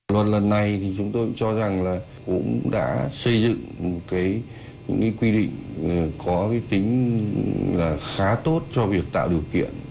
luật lần này thì chúng tôi cũng cho rằng là cũng đã xây dựng những quy định có cái tính khá tốt cho việc tạo điều kiện